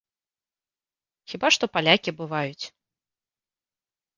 Хіба што палякі бываюць.